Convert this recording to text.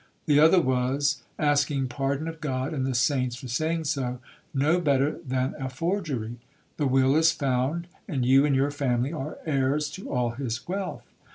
The other was—asking pardon of God and the saints for saying so—no better than a forgery. The will is found, and you and your family are heirs to all his wealth.